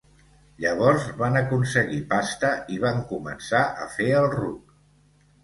Llavors van aconseguir pasta i van començar a fer el ruc.